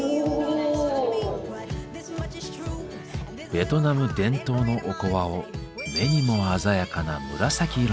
ベトナム伝統のおこわを目にも鮮やかな紫色に。